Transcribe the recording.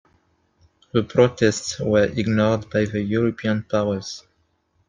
The protests were ignored by the European powers.